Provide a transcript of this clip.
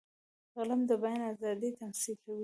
قلم د بیان آزادي تمثیلوي